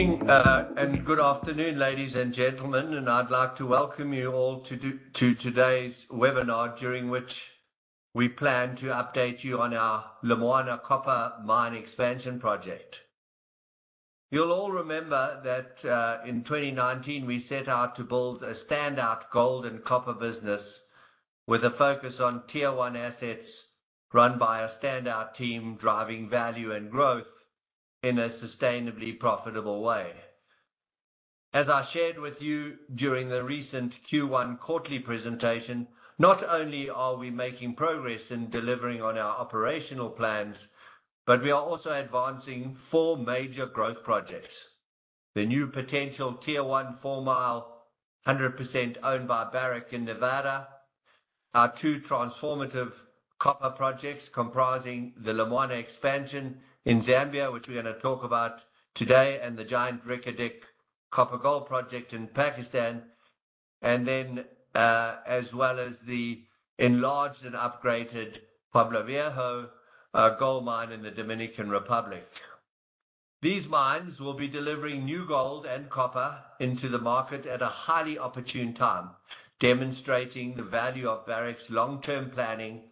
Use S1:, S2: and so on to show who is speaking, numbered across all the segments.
S1: ...Good evening, and good afternoon, ladies and gentlemen, and I'd like to welcome you all to today's webinar, during which we plan to update you on our Lumwana copper mine expansion project. You'll all remember that, in 2019, we set out to build a standout gold and copper business with a focus on Tier One assets, run by a standout team, driving value and growth in a sustainably profitable way. As I shared with you during the recent Q1 quarterly presentation, not only are we making progress in delivering on our operational plans, but we are also advancing four major growth projects. The new potential Tier One Fourmile, 100% owned by Barrick in Nevada, our two transformative copper projects comprising the Lumwana expansion in Zambia, which we're gonna talk about today, and the giant Reko Diq copper gold project in Pakistan, and then, as well as the enlarged and upgraded Pueblo Viejo gold mine in the Dominican Republic. These mines will be delivering new gold and copper into the market at a highly opportune time, demonstrating the value of Barrick's long-term planning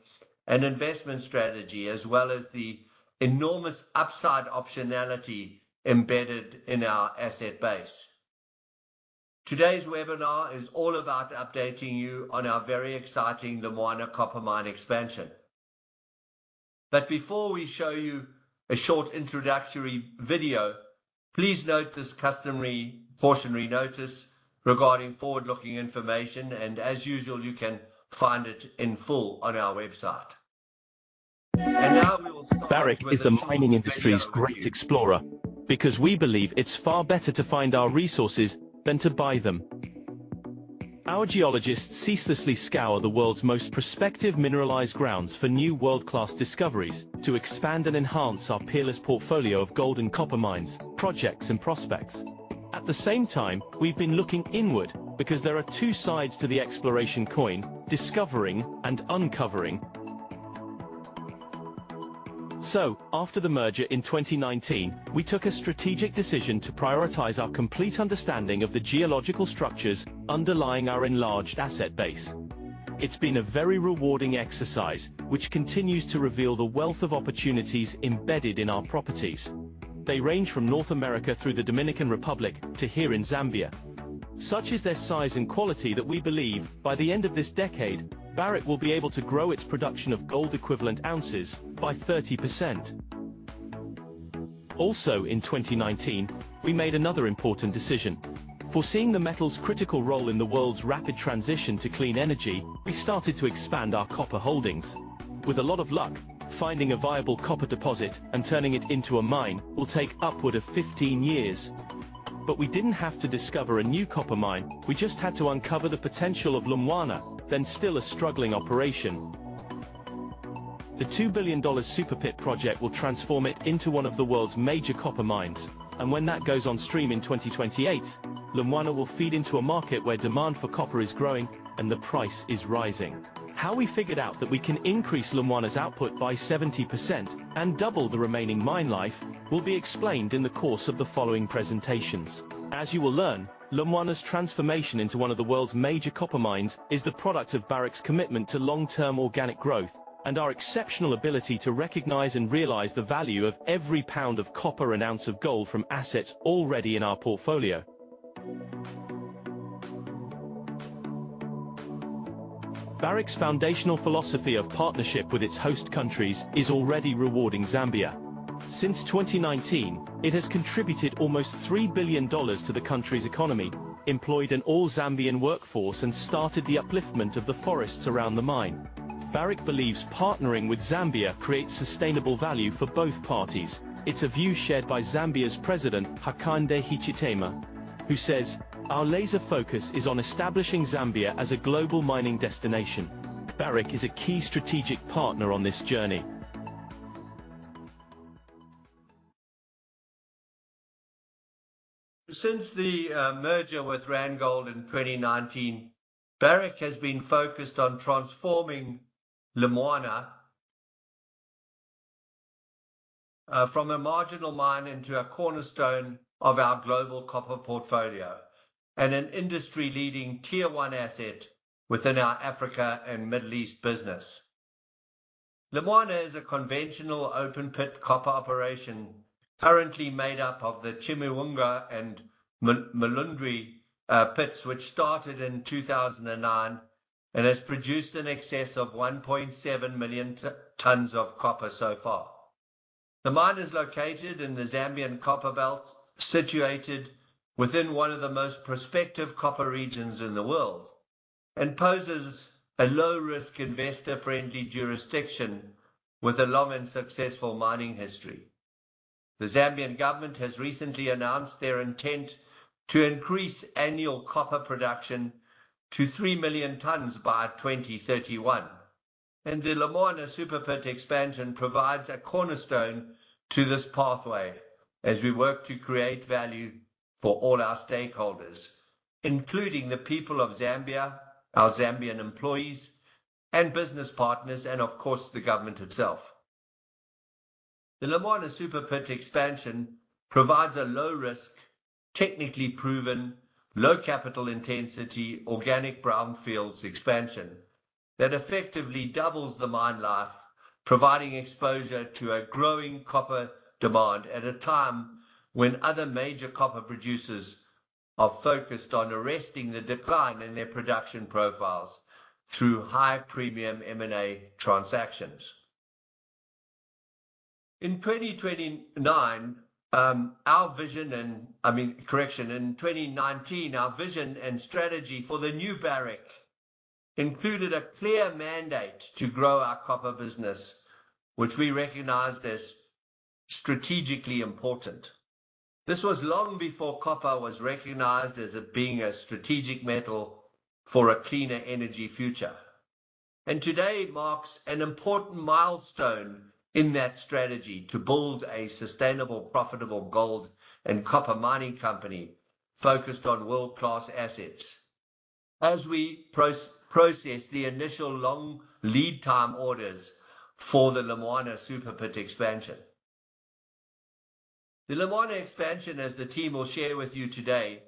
S1: and investment strategy, as well as the enormous upside optionality embedded in our asset base. Today's webinar is all about updating you on our very exciting Lumwana copper mine expansion. But before we show you a short introductory video, please note this customary cautionary notice regarding forward-looking information, and as usual, you can find it in full on our website. And now we will start- Barrick is the mining industry's great explorer because we believe it's far better to find our resources than to buy them. Our geologists ceaselessly scour the world's most prospective mineralized grounds for new world-class discoveries to expand and enhance our peerless portfolio of gold and copper mines, projects, and prospects. At the same time, we've been looking inward because there are two sides to the exploration coin, discovering and uncovering. So after the merger in 2019, we took a strategic decision to prioritize our complete understanding of the geological structures underlying our enlarged asset base. It's been a very rewarding exercise, which continues to reveal the wealth of opportunities embedded in our properties. They range from North America through the Dominican Republic to here in Zambia. Such is their size and quality that we believe by the end of this decade, Barrick will be able to grow its production of gold equivalent ounces by 30%. Also, in 2019, we made another important decision. Foreseeing the metal's critical role in the world's rapid transition to clean energy, we started to expand our copper holdings. With a lot of luck, finding a viable copper deposit and turning it into a mine will take upward of 15 years. But we didn't have to discover a new copper mine, we just had to uncover the potential of Lumwana, then still a struggling operation. The $2 billion Super Pit project will transform it into one of the world's major copper mines, and when that goes on stream in 2028, Lumwana will feed into a market where demand for copper is growing and the price is rising. How we figured out that we can increase Lumwana's output by 70% and double the remaining mine life will be explained in the course of the following presentations. As you will learn, Lumwana's transformation into one of the world's major copper mines is the product of Barrick's commitment to long-term organic growth and our exceptional ability to recognize and realize the value of every pound of copper and ounce of gold from assets already in our portfolio. Barrick's foundational philosophy of partnership with its host countries is already rewarding Zambia. Since 2019, it has contributed almost $3 billion to the country's economy, employed an all-Zambian workforce, and started the upliftment of the forests around the mine. Barrick believes partnering with Zambia creates sustainable value for both parties. It's a view shared by Zambia's President, Hakainde Hichilema, who says, "Our laser focus is on establishing Zambia as a global mining destination. Barrick is a key strategic partner on this journey. Since the merger with Randgold in 2019, Barrick has been focused on transforming Lumwana from a marginal mine into a cornerstone of our global copper portfolio and an industry-leading Tier One asset within our Africa and Middle East business. Lumwana is a conventional open-pit copper operation, currently made up of the Chimiwungo and Malundwe pits, which started in 2009 and has produced in excess of 1.7 million tons of copper so far. The mine is located in the Zambian Copperbelt, situated within one of the most prospective copper regions in the world, and poses a low-risk, investor-friendly jurisdiction with a long and successful mining history. The Zambian government has recently announced their intent to increase annual copper production to three million tonnes by 2031, and the Lumwana Super Pit expansion provides a cornerstone to this pathway as we work to create value for all our stakeholders, including the people of Zambia, our Zambian employees and business partners, and of course, the government itself. The Lumwana Super Pit expansion provides a low risk, technically proven, low capital intensity, organic brownfields expansion that effectively doubles the mine life, providing exposure to a growing copper demand at a time when other major copper producers are focused on arresting the decline in their production profiles through high premium M&A transactions. In 2029, our vision and—I mean, correction—in 2019, our vision and strategy for the new Barrick included a clear mandate to grow our copper business, which we recognized as strategically important. This was long before copper was recognized as being a strategic metal for a cleaner energy future, and today marks an important milestone in that strategy to build a sustainable, profitable gold and copper mining company focused on world-class assets. As we process the initial long lead time orders for the Lumwana Super Pit expansion, the Lumwana expansion, as the team will share with you today,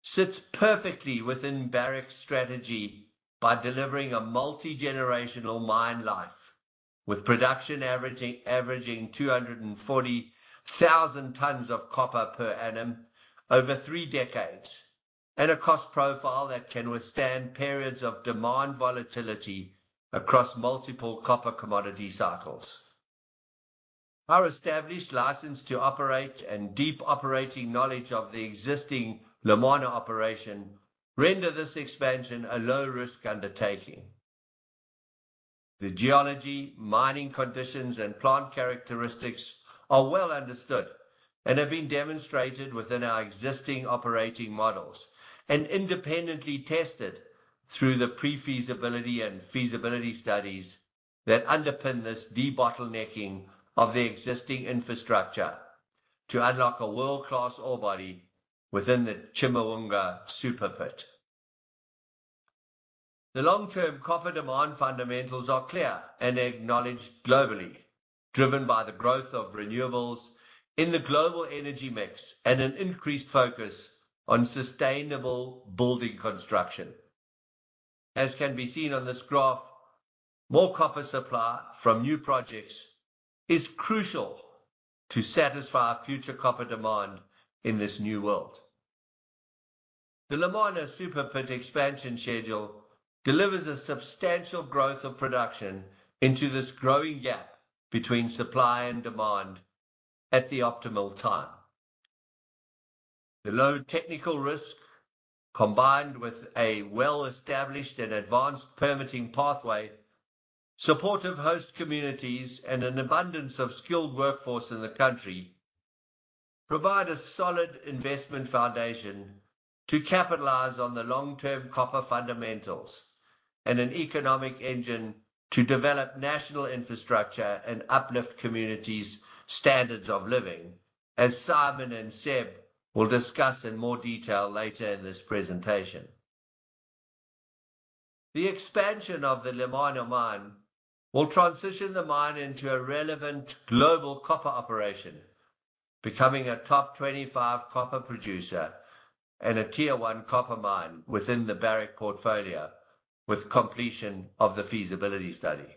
S1: sits perfectly within Barrick's strategy by delivering a multi-generational mine life, with production averaging 240,000 tons of copper per annum over three decades, and a cost profile that can withstand periods of demand volatility across multiple copper commodity cycles. Our established license to operate and deep operating knowledge of the existing Lumwana operation render this expansion a low-risk undertaking. The geology, mining conditions, and plant characteristics are well understood and have been demonstrated within our existing operating models and independently tested through the pre-feasibility and feasibility studies that underpin this debottlenecking of the existing infrastructure to unlock a world-class ore body within the Chimiwungo Super Pit. The long-term copper demand fundamentals are clear and acknowledged globally, driven by the growth of renewables in the global energy mix and an increased focus on sustainable building construction. As can be seen on this graph, more copper supply from new projects is crucial to satisfy future copper demand in this new world. The Lumwana Super Pit expansion schedule delivers a substantial growth of production into this growing gap between supply and demand at the optimal time. The low technical risk, combined with a well-established and advanced permitting pathway, supportive host communities, and an abundance of skilled workforce in the country, provide a solid investment foundation to capitalize on the long-term copper fundamentals and an economic engine to develop national infrastructure and uplift communities' standards of living, as Simon and Seb will discuss in more detail later in this presentation. The expansion of the Lumwana mine will transition the mine into a relevant global copper operation, becoming a top 25 copper producer and a Tier One copper mine within the Barrick portfolio with completion of the feasibility study.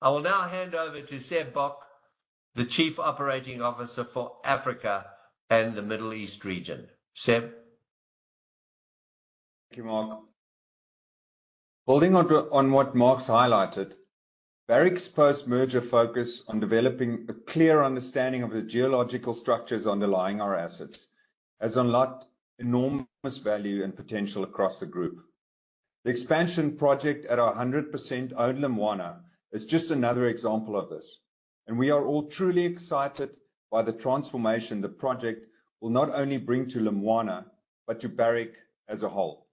S1: I will now hand over to Seb Bock, the Chief Operating Officer for Africa and the Middle East region. Seb?
S2: Thank you, Mark. Building on what Mark's highlighted, Barrick's post-merger focus on developing a clear understanding of the geological structures underlying our assets has unlocked enormous value and potential across the group. The expansion project at our 100% owned Lumwana is just another example of this, and we are all truly excited by the transformation the project will not only bring to Lumwana, but to Barrick as a whole.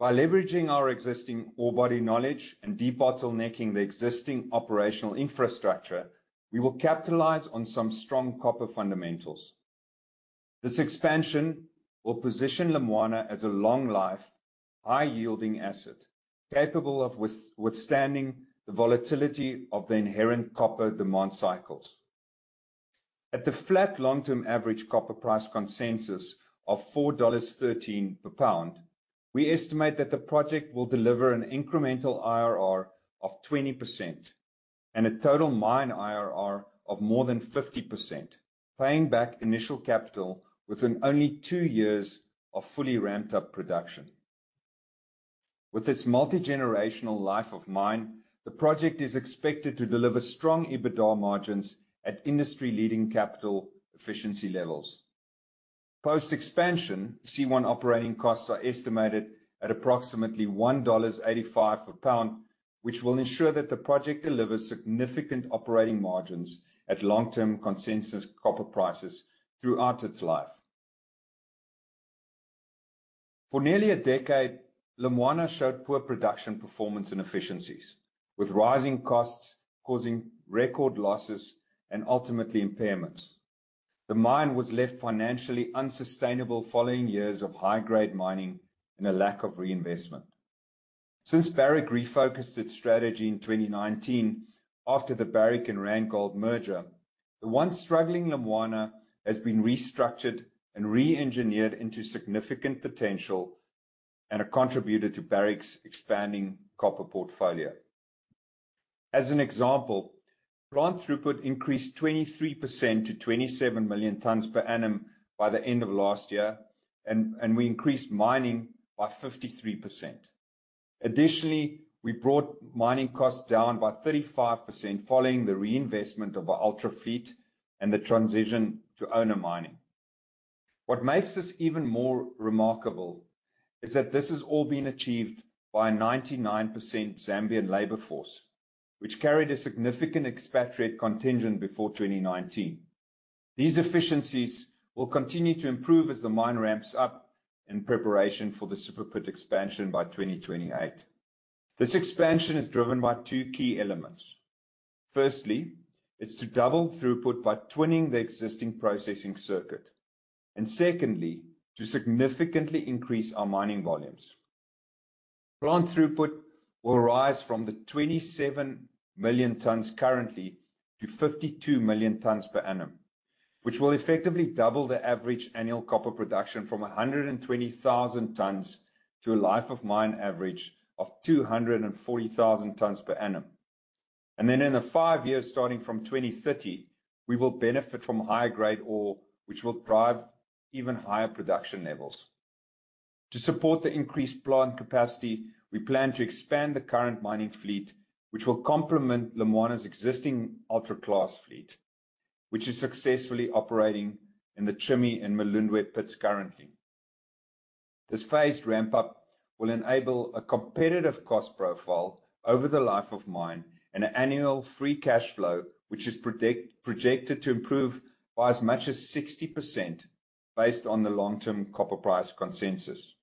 S2: By leveraging our existing ore body knowledge and debottlenecking the existing operational infrastructure, we will capitalize on some strong copper fundamentals. This expansion will position Lumwana as a long-life, high-yielding asset, capable of withstanding the volatility of the inherent copper demand cycles. At the flat long-term average copper price consensus of $4.13 per pound, we estimate that the project will deliver an incremental IRR of 20% and a total mine IRR of more than 50%, paying back initial capital within only two years of fully ramped-up production. With its multi-generational life of mine, the project is expected to deliver strong EBITDA margins at industry-leading capital efficiency levels. Post-expansion, C1 operating costs are estimated at approximately $1.85 per pound, which will ensure that the project delivers significant operating margins at long-term consensus copper prices throughout its life. For nearly a decade, Lumwana showed poor production, performance, and efficiencies, with rising costs causing record losses and ultimately impairments. The mine was left financially unsustainable following years of high-grade mining and a lack of reinvestment. Since Barrick refocused its strategy in 2019, after the Barrick and Randgold merger, the once struggling Lumwana has been restructured and re-engineered into significant potential, and a contributor to Barrick's expanding copper portfolio. As an example, plant throughput increased 23% to 27 million tons per annum by the end of last year, and we increased mining by 53%. Additionally, we brought mining costs down by 35% following the reinvestment of our ultra fleet and the transition to owner mining. What makes this even more remarkable is that this has all been achieved by a 99% Zambian labor force, which carried a significant expatriate contingent before 2019. These efficiencies will continue to improve as the mine ramps up in preparation for the Super Pit expansion by 2028. This expansion is driven by two key elements. Firstly, it's to double throughput by twinning the existing processing circuit, and secondly, to significantly increase our mining volumes. Plant throughput will rise from the 27 million tons currently to 52 million tons per annum, which will effectively double the average annual copper production from 120,000 tons to a life of mine average of 240,000 tons per annum, and then in the five years starting from 2030, we will benefit from higher grade ore, which will drive even higher production levels. To support the increased plant capacity, we plan to expand the current mining fleet, which will complement Lumwana's existing ultra-class fleet, which is successfully operating in the Chimiwungo and Malundwe pits currently. This phased ramp up will enable a competitive cost profile over the life of mine and an annual free cash flow, which is projected to improve by as much as 60% based on the long-term copper price consensus.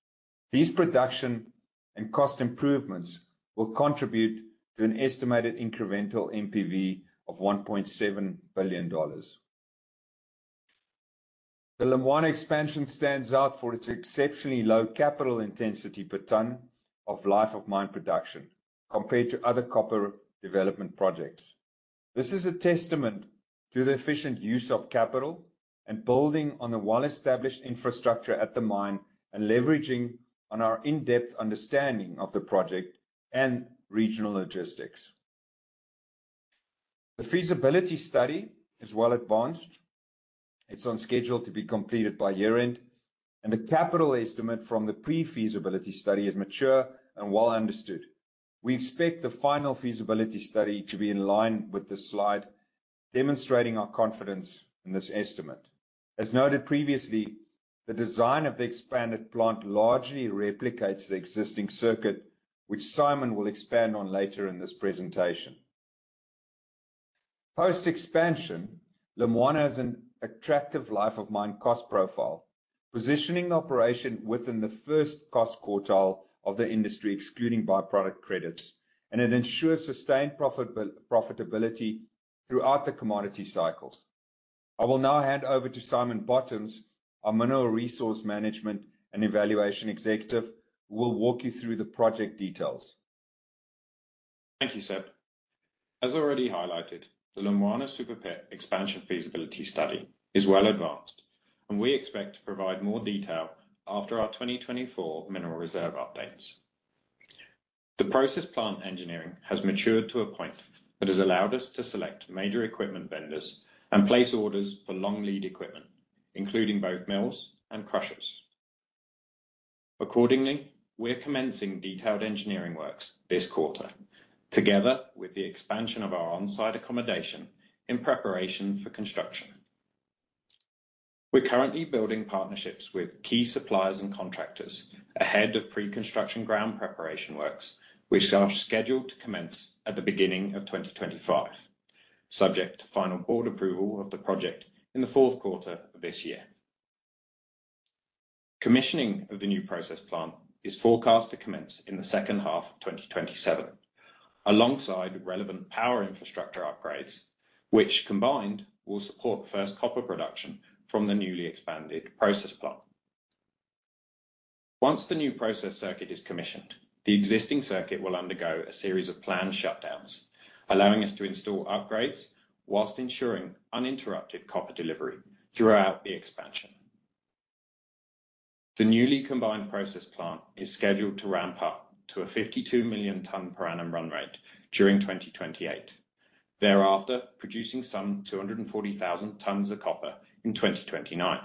S2: These production and cost improvements will contribute to an estimated incremental NPV of $1.7 billion. The Lumwana expansion stands out for its exceptionally low capital intensity per ton of life of mine production, compared to other copper development projects. This is a testament to the efficient use of capital and building on the well-established infrastructure at the mine, and leveraging on our in-depth understanding of the project and regional logistics. The feasibility study is well advanced. It's on schedule to be completed by year-end, and the capital estimate from the pre-feasibility study is mature and well understood. We expect the final feasibility study to be in line with this slide, demonstrating our confidence in this estimate. As noted previously, the design of the expanded plant largely replicates the existing circuit, which Simon will expand on later in this presentation. Post-expansion, Lumwana has an attractive life of mine cost profile, positioning the operation within the first cost quartile of the industry, excluding byproduct credits, and it ensures sustained profitability throughout the commodity cycles. I will now hand over to Simon Bottoms, our Mineral Resource Management and Evaluation Executive, who will walk you through the project details.
S3: Thank you, Seb. As already highlighted, the Lumwana Super Pit expansion feasibility study is well advanced, and we expect to provide more detail after our 2024 mineral reserve updates. The process plant engineering has matured to a point that has allowed us to select major equipment vendors and place orders for long lead equipment, including both mills and crushers. Accordingly, we're commencing detailed engineering works this quarter, together with the expansion of our on-site accommodation in preparation for construction. We're currently building partnerships with key suppliers and contractors ahead of preconstruction ground preparation works, which are scheduled to commence at the beginning of 2025, subject to final board approval of the project in the fourth quarter of this year. Commissioning of the new process plant is forecast to commence in the second half of 2027, alongside relevant power infrastructure upgrades, which combined, will support first copper production from the newly expanded process plant. Once the new process circuit is commissioned, the existing circuit will undergo a series of planned shutdowns, allowing us to install upgrades while ensuring uninterrupted copper delivery throughout the expansion. The newly combined process plant is scheduled to ramp up to a 52 million ton per annum run rate during 2028. Thereafter, producing some 240,000 tons of copper in 2029.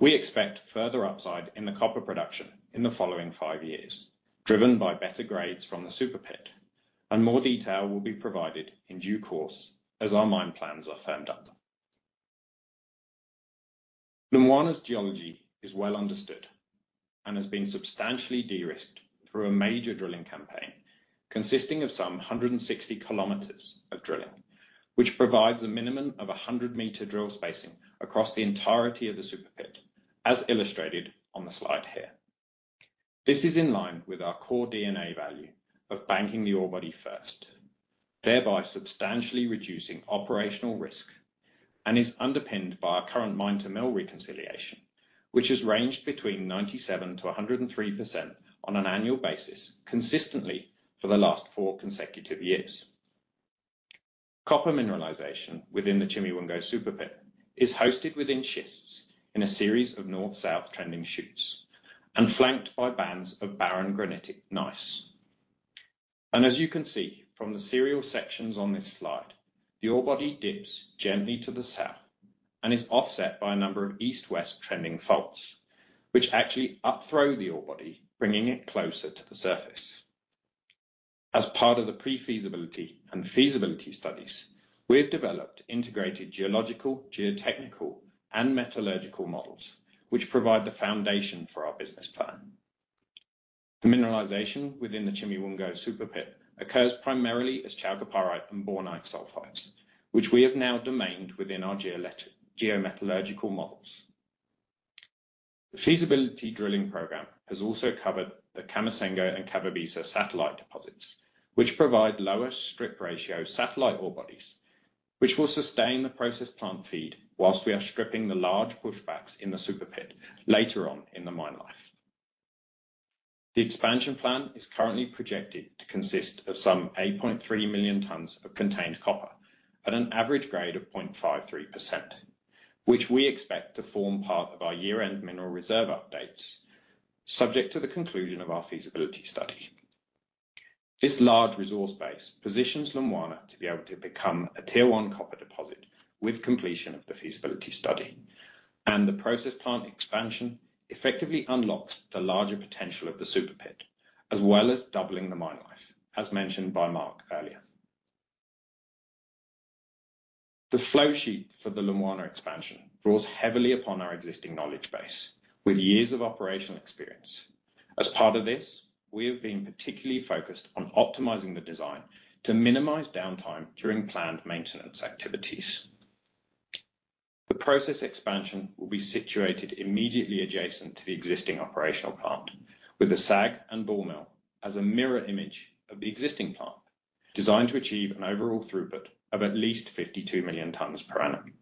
S3: We expect further upside in the copper production in the following five years, driven by better grades from the Super Pit, and more detail will be provided in due course as our mine plans are firmed up. Lumwana's geology is well understood and has been substantially de-risked through a major drilling campaign, consisting of 160 km of drilling. Which provides a minimum of 100-meter drill spacing across the entirety of the Super Pit, as illustrated on the slide here. This is in line with our core DNA value of banking the ore body first, thereby substantially reducing operational risk, and is underpinned by our current mine-to-mill reconciliation, which has ranged between 97% to 103% on an annual basis, consistently for the last 4 consecutive years. Copper mineralization within the Chimiwungo Super Pit is hosted within schists in a series of north-south trending shoots and flanked by bands of barren granitic gneiss. As you can see from the serial sections on this slide, the ore body dips gently to the south and is offset by a number of east-west trending faults, which actually upthrow the ore body, bringing it closer to the surface. As part of the pre-feasibility and feasibility studies, we have developed integrated geological, geotechnical, and metallurgical models, which provide the foundation for our business plan. The mineralization within Chimiwungo Super Pit occurs primarily as chalcopyrite and bornite sulfides, which we have now domained within our geometallurgical models. The feasibility drilling program has also covered the Kamasenda and Kababisa satellite deposits, which provide lower strip ratio satellite ore bodies, which will sustain the process plant feed whilst we are stripping the large pushbacks in the Super Pit later on in the mine life. The expansion plan is currently projected to consist of some 8.3 million tons of contained copper at an average grade of 0.53%, which we expect to form part of our year-end mineral reserve updates, subject to the conclusion of our feasibility study. This large resource base positions Lumwana to be able to become a Tier One copper deposit with completion of the feasibility study, and the process plant expansion effectively unlocks the larger potential of the Super Pit, as well as doubling the mine life, as mentioned by Mark earlier. The flow sheet for the Lumwana expansion draws heavily upon our existing knowledge base, with years of operational experience. As part of this, we have been particularly focused on optimizing the design to minimize downtime during planned maintenance activities. The process expansion will be situated immediately adjacent to the existing operational plant, with the SAG and ball mill as a mirror image of the existing plant, designed to achieve an overall throughput of at least 52 million tons per annum.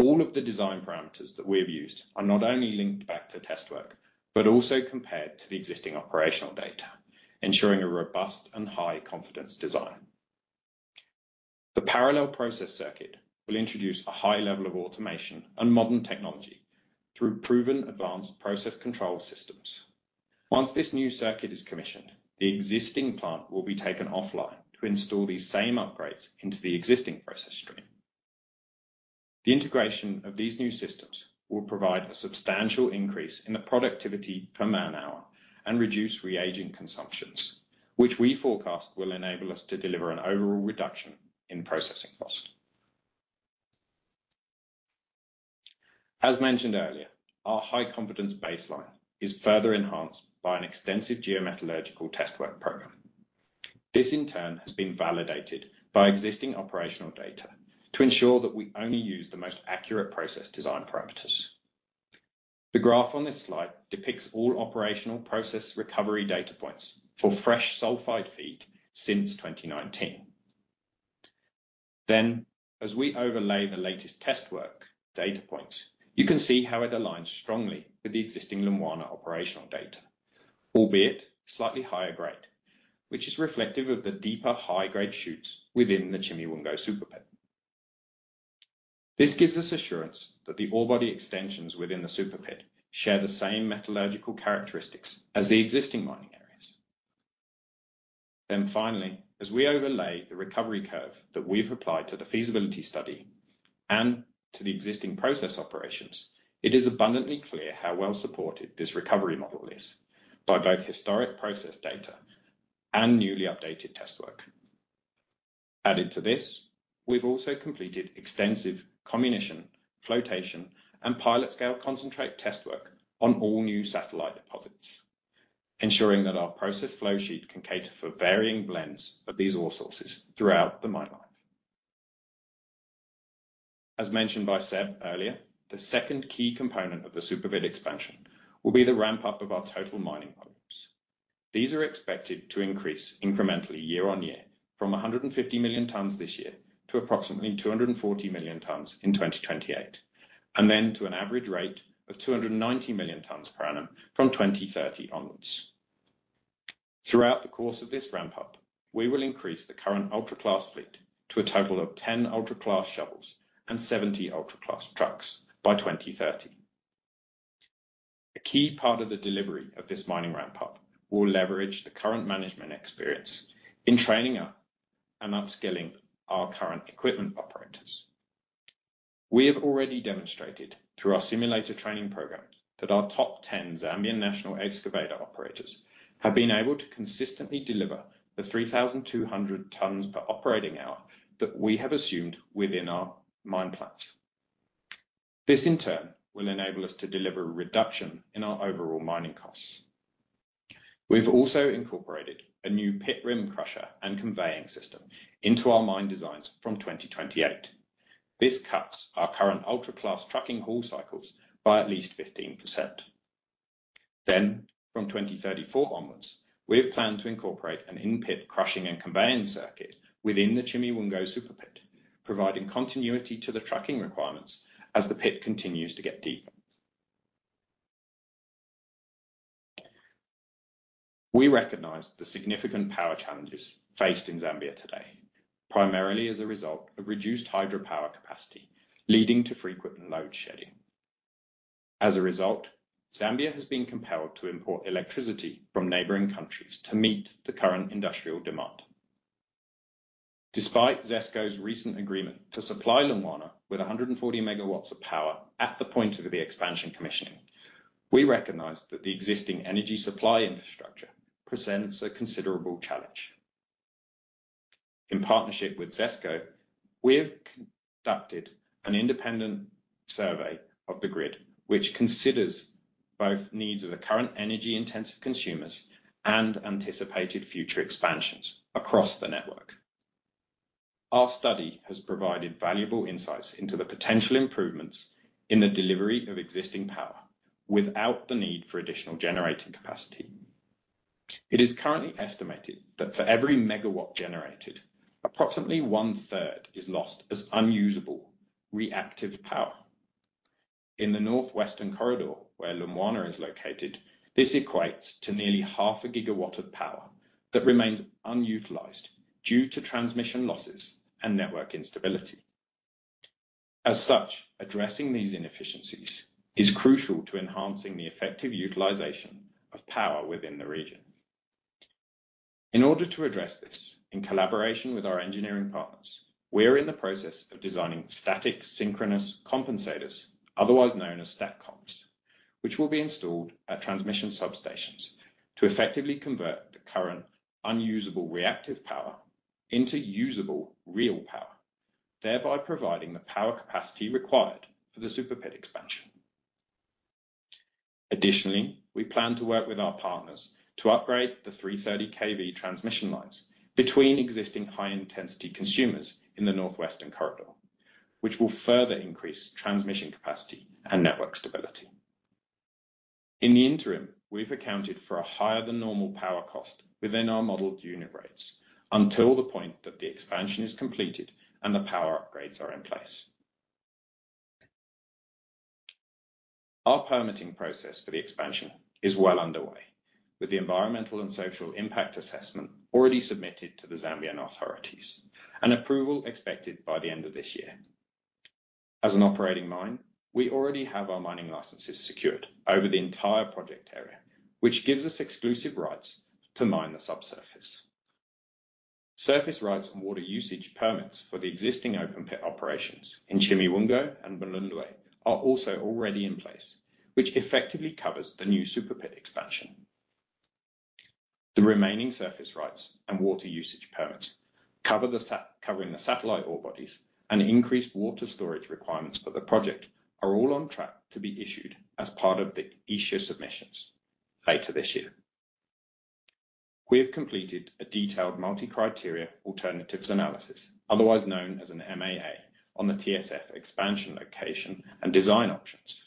S3: All of the design parameters that we have used are not only linked back to test work, but also compared to the existing operational data, ensuring a robust and high-confidence design. The parallel process circuit will introduce a high level of automation and modern technology through proven advanced process control systems. Once this new circuit is commissioned, the existing plant will be taken offline to install these same upgrades into the existing process stream. The integration of these new systems will provide a substantial increase in the productivity per man-hour and reduce reagent consumptions, which we forecast will enable us to deliver an overall reduction in processing cost. As mentioned earlier, our high-confidence baseline is further enhanced by an extensive geometallurgical test work program. This, in turn, has been validated by existing operational data to ensure that we only use the most accurate process design parameters. The graph on this slide depicts all operational process recovery data points for fresh sulfide feed since 2019. Then, as we overlay the latest test work data points, you can see how it aligns strongly with the existing Lumwana operational data, albeit slightly higher grade, which is reflective of the deeper high-grade shoots within Chimiwungo Super Pit. this gives us assurance that the ore body extensions within the Super Pit share the same metallurgical characteristics as the existing mining areas. Then finally, as we overlay the recovery curve that we've applied to the feasibility study and to the existing process operations, it is abundantly clear how well supported this recovery model is by both historic process data and newly updated test work. Added to this, we've also completed extensive comminution, flotation, and pilot-scale concentrate test work on all new satellite deposits, ensuring that our process flow sheet can cater for varying blends of these ore sources throughout the mine life. As mentioned by Seb earlier, the second key component of the Super Pit expansion will be the ramp-up of our total mining volumes. These are expected to increase incrementally year on year from 150 million tons this year to approximately 240 million tons in 2028, and then to an average rate of 290 tons per annum from 2030 onwards. Throughout the course of this ramp-up, we will increase the current ultra-class fleet to a total of ten ultra-class shovels and seventy ultra-class trucks by 2030. A key part of the delivery of this mining ramp-up will leverage the current management experience in training up and upskilling our current equipment operators. We have already demonstrated through our simulator training programs that our top ten Zambian national excavator operators have been able to consistently deliver the 3,200 tons per operating hour that we have assumed within our mine plans. This, in turn, will enable us to deliver a reduction in our overall mining costs. We've also incorporated a new pit rim crusher and conveying system into our mine designs from 2028. This cuts our current ultra-class trucking haul cycles by at least 15%. Then, from 2034 onwards, we have planned to incorporate an in-pit crushing and conveying circuit within the Chimiwungo Super Pit, providing continuity to the trucking requirements as the pit continues to get deeper. We recognize the significant power challenges faced in Zambia today, primarily as a result of reduced hydropower capacity, leading to frequent load shedding. As a result, Zambia has been compelled to import electricity from neighboring countries to meet the current industrial demand. Despite ZESCO's recent agreement to supply Lumwana with 140 MW of power at the point of the expansion commissioning, we recognize that the existing energy supply infrastructure presents a considerable challenge. In partnership with ZESCO, we have conducted an independent survey of the grid, which considers both needs of the current energy-intensive consumers and anticipated future expansions across the network. Our study has provided valuable insights into the potential improvements in the delivery of existing power without the need for additional generating capacity. It is currently estimated that for every megawatt generated, approximately one-third is lost as unusable reactive power. In the northwestern corridor, where Lumwana is located, this equates to nearly half a gigawatt of power that remains unutilized due to transmission losses and network instability. As such, addressing these inefficiencies is crucial to enhancing the effective utilization of power within the region. In order to address this, in collaboration with our engineering partners, we are in the process of designing static synchronous compensators, otherwise known as STATCOMs, which will be installed at transmission substations to effectively convert the current unusable reactive power into usable real power, thereby providing the power capacity required for the Super Pit expansion. Additionally, we plan to work with our partners to upgrade the 330 Kv transmission lines between existing high-intensity consumers in the northwestern corridor, which will further increase transmission capacity and network stability. In the interim, we've accounted for a higher-than-normal power cost within our modeled unit rates until the point that the expansion is completed and the power upgrades are in place. Our permitting process for the expansion is well underway, with the Environmental and Social Impact Assessment already submitted to the Zambian authorities, and approval expected by the end of this year. As an operating mine, we already have our mining licenses secured over the entire project area, which gives us exclusive rights to mine the subsurface. Surface rights and water usage permits for the existing open-pit operations in Chimiwungo and Malundwe are also already in place, which effectively covers the new Super Pit expansion. The remaining surface rights and water usage permits covering the satellite ore bodies and increased water storage requirements for the project are all on track to be issued as part of the ESIA submissions later this year. We have completed a detailed multi-criteria alternatives analysis, otherwise known as an MAA, on the TSF expansion location and design options.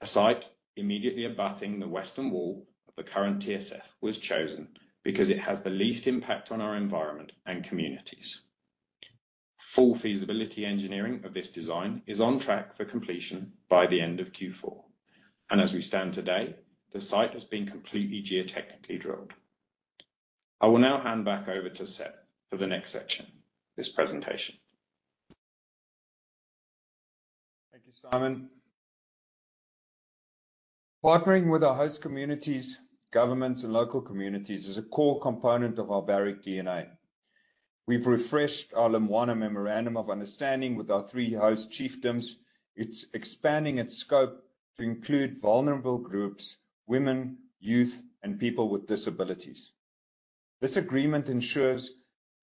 S3: A site immediately abutting the western wall of the current TSF was chosen because it has the least impact on our environment and communities. Full feasibility engineering of this design is on track for completion by the end of Q4, and as we stand today, the site has been completely geotechnically drilled. I will now hand back over to Seb for the next section of this presentation.
S2: Thank you, Simon. Partnering with our host communities, governments, and local communities is a core component of our Barrick DNA. We've refreshed our Lumwana Memorandum of Understanding with our three host chiefdoms. It's expanding its scope to include vulnerable groups, women, youth, and people with disabilities. This agreement ensures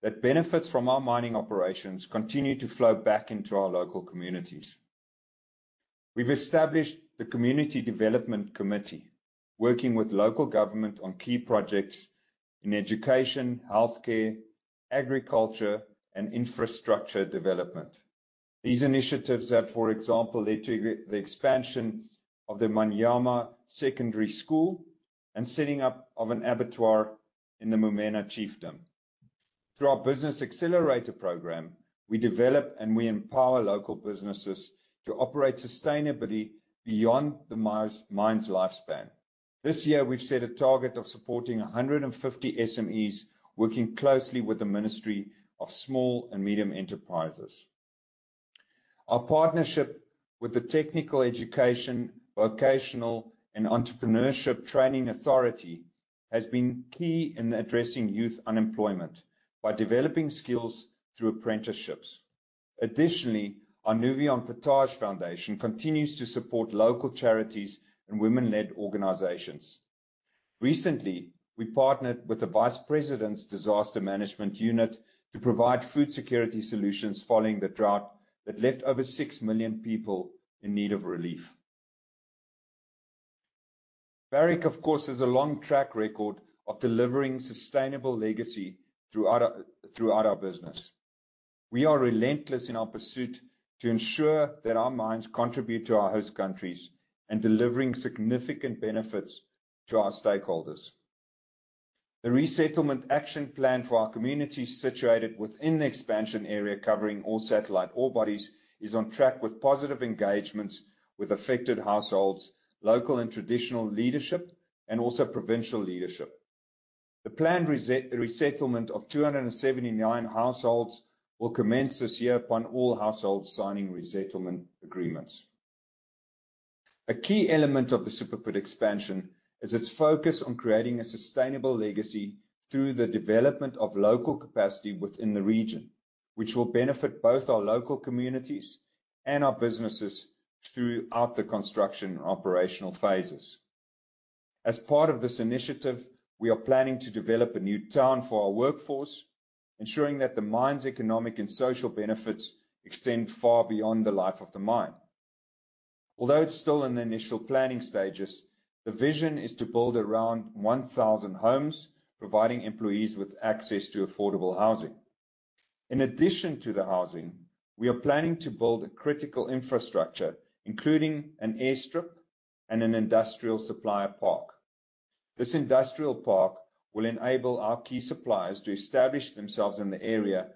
S2: that benefits from our mining operations continue to flow back into our local communities. We've established the Community Development Committee, working with local government on key projects in education, healthcare, agriculture, and infrastructure development. These initiatives have, for example, led to the expansion of the Manyama Secondary School and setting up of an abattoir in the Mumena Chiefdom. Through our Business Accelerator Program, we develop and we empower local businesses to operate sustainably beyond the mine's lifespan. This year, we've set a target of supporting 150 SMEs, working closely with the Ministry of Small and Medium Enterprises. Our partnership with the Technical Education, Vocational, and Entrepreneurship Training Authority has been key in addressing youth unemployment by developing skills through apprenticeships. Additionally, our Nos Vies en Partage Foundation continues to support local charities and women-led organizations. Recently, we partnered with the Vice President's Disaster Management Unit to provide food security solutions following the drought that left over six million people in need of relief. Barrick, of course, has a long track record of delivering sustainable legacy throughout our business. We are relentless in our pursuit to ensure that our mines contribute to our host countries and delivering significant benefits to our stakeholders. The Resettlement Action Plan for our community, situated within the expansion area, covering all satellite ore bodies, is on track with positive engagements with affected households, local and traditional leadership, and also provincial leadership. The planned resettlement of 279 households will commence this year upon all households signing resettlement agreements. A key element of the Super Pit expansion is its focus on creating a sustainable legacy through the development of local capacity within the region, which will benefit both our local communities and our businesses throughout the construction and operational phases. As part of this initiative, we are planning to develop a new town for our workforce, ensuring that the mine's economic and social benefits extend far beyond the life of the mine. Although it's still in the initial planning stages, the vision is to build around 1,000 homes, providing employees with access to affordable housing. In addition to the housing, we are planning to build a critical infrastructure, including an airstrip and an industrial supplier park. This industrial park will enable our key suppliers to establish themselves in the area,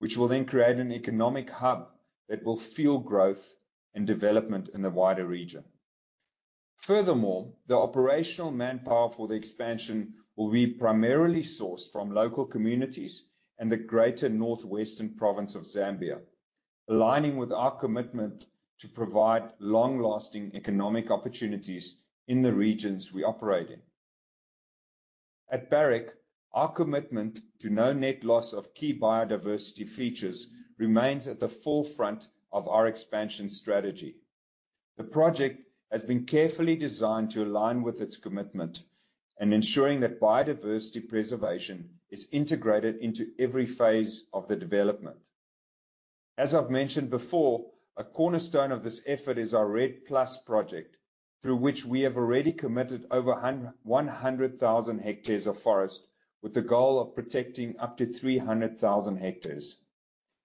S2: which will then create an economic hub that will fuel growth and development in the wider region. Furthermore, the operational manpower for the expansion will be primarily sourced from local communities and the greater North-Western Province of Zambia, aligning with our commitment to provide long-lasting economic opportunities in the regions we operate in. At Barrick, our commitment to no net loss of key biodiversity features remains at the forefront of our expansion strategy. The project has been carefully designed to align with its commitment and ensuring that biodiversity preservation is integrated into every phase of the development. As I've mentioned before, a cornerstone of this effort is our REDD+ project, through which we have already committed over 100,000 hectares of forest, with the goal of protecting up to 300,000 hectares.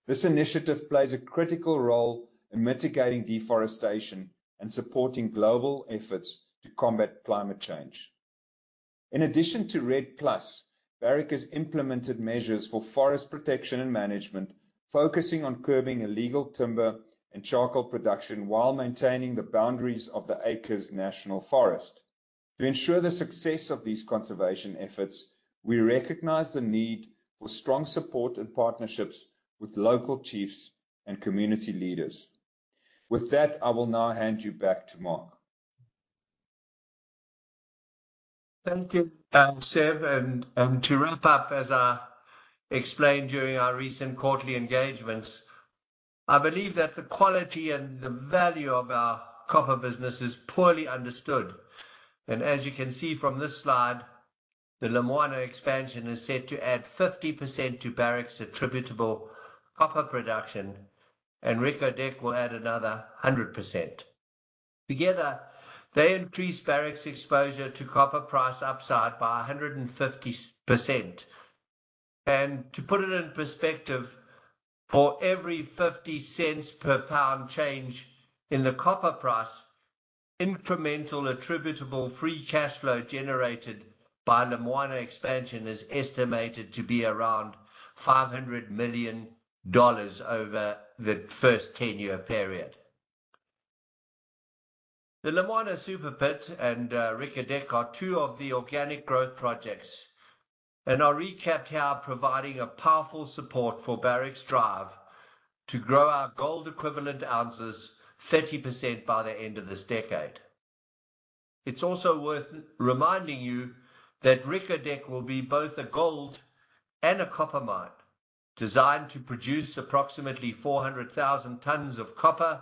S2: This initiative plays a critical role in mitigating deforestation and supporting global efforts to combat climate change. In addition to REDD+, Barrick has implemented measures for forest protection and management, focusing on curbing illegal timber and charcoal production, while maintaining the boundaries of the Lwakela Forest Reserve. To ensure the success of these conservation efforts, we recognize the need for strong support and partnerships with local chiefs and community leaders. With that, I will now hand you back to Mark.
S1: Thank you, Seb. And to wrap up, as I explained during our recent quarterly engagements, I believe that the quality and the value of our copper business is poorly understood. And as you can see from this slide, the Lumwana expansion is set to add 50% to Barrick's attributable copper production, and Reko Diq will add another 100%. Together, they increase Barrick's exposure to copper price upside by 150%. And to put it in perspective, for every $0.50 per pound change in the copper price, incremental attributable free cash flow generated by Lumwana expansion is estimated to be around $500 million over the first 10-year period. The Lumwana Super Pit and Reko Diq are two of the organic growth projects, and I recapped how providing a powerful support for Barrick's drive to grow our gold equivalent ounces 30% by the end of this decade. It's also worth reminding you that Reko Diq will be both a gold and a copper mine, designed to produce approximately 400,000 tons of copper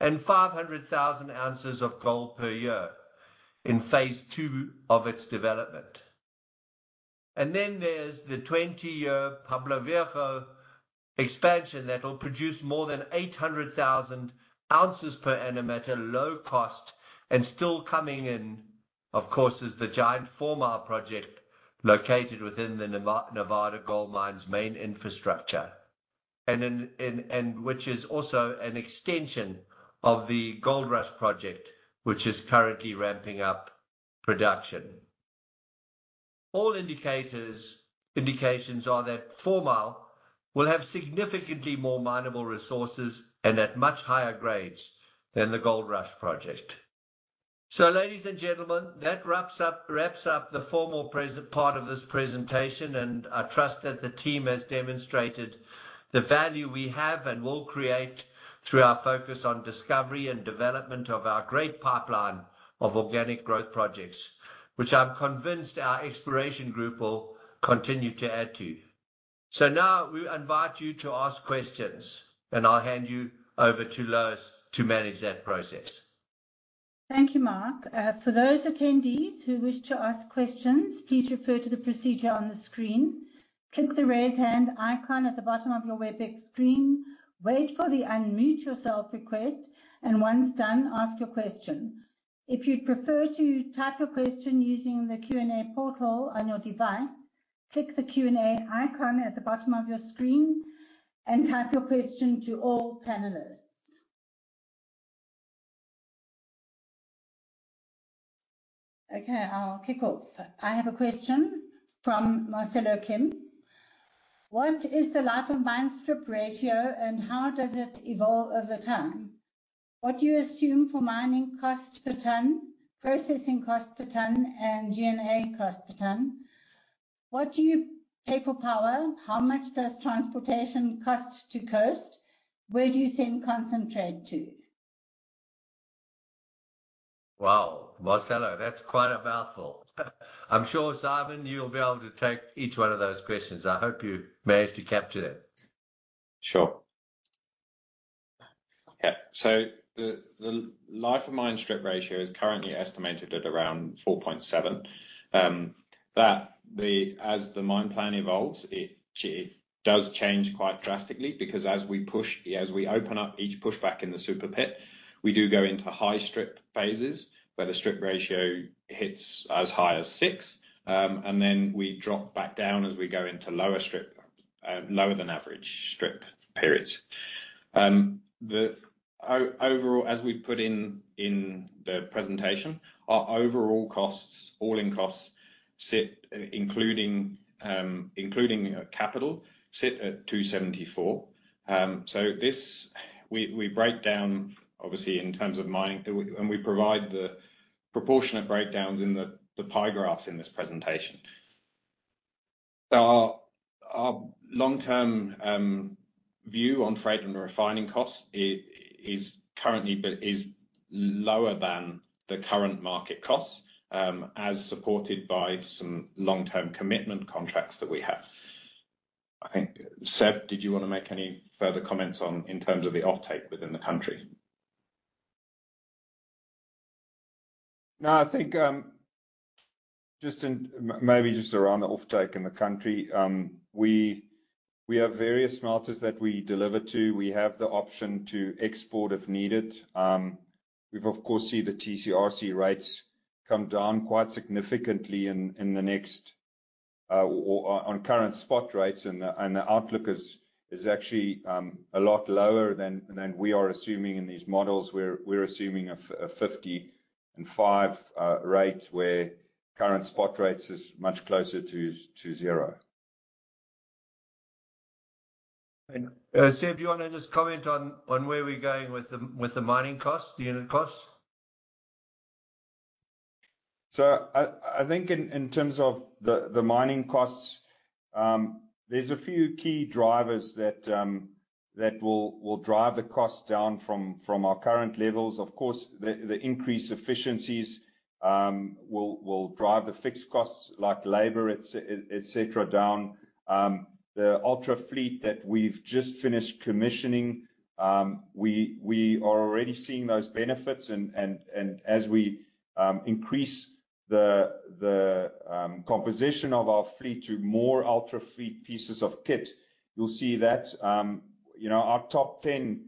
S1: and 500,000 ounces of gold per year in phase II of its development. Then there's the 20-year Pueblo Viejo expansion that will produce more than 800,000 ounces per annum at a low cost. Still coming in, of course, is the giant Fourmile project, located within the Nevada Gold Mines' main infrastructure, and which is also an extension of the Goldrush project, which is currently ramping up production. All indications are that Fourmile will have significantly more mineable resources and at much higher grades than the Goldrush project. So, ladies and gentlemen, that wraps up the formal presentation part of this presentation, and I trust that the team has demonstrated the value we have and will create through our focus on discovery and development of our great pipeline of organic growth projects, which I'm convinced our exploration group will continue to add to. So now we invite you to ask questions, and I'll hand you over to Lois to manage that process.
S4: Thank you, Mark. For those attendees who wish to ask questions, please refer to the procedure on the screen. Click the Raise Hand icon at the bottom of your WebEx screen, wait for the unmute yourself request, and once done, ask your question. If you'd prefer to type your question using the Q&A portal on your device, click the Q&A icon at the bottom of your screen and type your question to all panelists. Okay, I'll kick off. I have a question from Marcelo Kim: "What is the life of mine strip ratio, and how does it evolve over time? What do you assume for mining cost per ton, processing cost per ton, and G&A cost per ton? What do you pay for power? How much does transportation cost to coast? Where do you send concentrate to?
S1: Wow, Marcelo, that's quite a mouthful. I'm sure, Simon, you'll be able to take each one of those questions. I hope you managed to capture that.
S3: Sure. Yeah, so the life of mine strip ratio is currently estimated at around 4.7. As the mine plan evolves, it does change quite drastically because as we push, as we open up each pushback in the Super Pit, we do go into high strip phases, where the strip ratio hits as high as six, and then we drop back down as we go into lower strip, lower than average strip periods. Overall, as we put in the presentation, our overall costs, all-in costs, sit including capital at $274. So this we break down, obviously, in terms of mining, and we provide the proportionate breakdowns in the pie graphs in this presentation. So our long-term view on freight and refining costs is currently, but is lower than the current market costs, as supported by some long-term commitment contracts that we have. I think, Seb, did you wanna make any further comments on in terms of the offtake within the country?
S2: No, I think, just in... maybe just around the offtake in the country, we have various smelters that we deliver to. We have the option to export if needed. We've, of course, seen the TC/RC rates come down quite significantly in the next, or on current spot rates, and the outlook is actually a lot lower than we are assuming in these models. We're assuming a fifty and five rate, where current spot rates is much closer to zero.
S1: Seb, do you wanna just comment on where we're going with the mining cost, the unit cost?
S2: So I think in terms of the mining costs, there's a few key drivers that will drive the cost down from our current levels. Of course, the increased efficiencies will drive the fixed costs like labor, et cetera, down. The ultra fleet that we've just finished commissioning, we are already seeing those benefits and as we increase the composition of our fleet to more ultra fleet pieces of kit, you'll see that, you know, our top ten